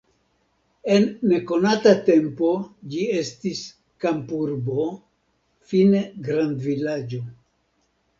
En nekonata tempo ĝi estis kampurbo, fine grandvilaĝo.